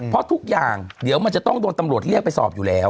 เพราะทุกอย่างเดี๋ยวมันจะต้องโดนตำรวจเรียกไปสอบอยู่แล้ว